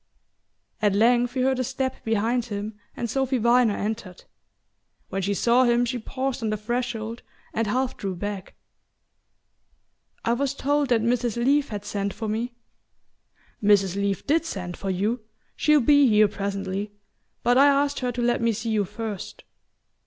At length he heard a step behind him and Sophy Viner entered. When she saw him she paused on the threshold and half drew back. "I was told that Mrs. Leath had sent for me." "Mrs. Leath DID send for you. She'll be here presently; but I asked her to let me see you first."